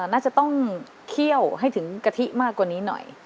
น่าจะต้องเคี่ยวให้ถึงกะทิมากกว่านี้หน่อย